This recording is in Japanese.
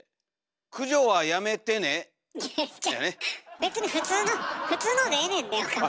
別に普通の普通のでええねんで岡村。